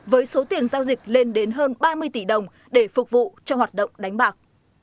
với số tiền giao dịch lên đến hơn ba mươi tỷ đồng để phục vụ cho hoạt động đánh bạc